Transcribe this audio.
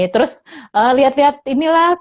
terus lihat lihat inilah